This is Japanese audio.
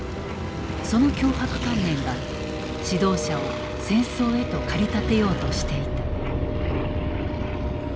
その強迫観念が指導者を戦争へと駆り立てようとしていた。